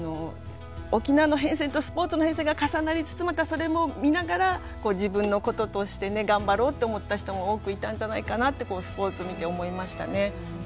沖縄の変遷とスポーツの変遷が重なりつつまたそれも見ながら自分のこととして頑張ろうと思った人も多くいたんじゃないかなってスポーツ見て思いましたね。